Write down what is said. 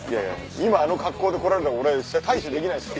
今あの格好で来られても俺対処できないですよ。